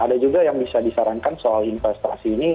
ada juga yang bisa disarankan soal investasi ini